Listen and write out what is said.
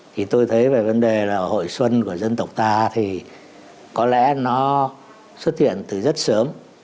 thì tôi thấy về vấn đề là hội xuân của dân tộc ta thì có lẽ nó xuất hiện từ rất sớm